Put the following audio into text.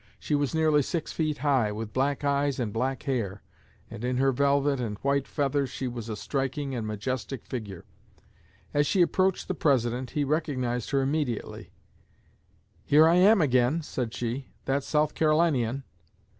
She was nearly six feet high, with black eyes and black hair, and in her velvet and white feathers she was a striking and majestic figure. As she approached the President he recognized her immediately. 'Here I am again,' said she, 'that South Carolinian.'